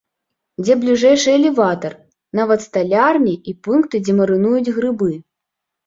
Дзе бліжэйшы элеватар, нават сталярні і пункты, дзе марынуюць грыбы.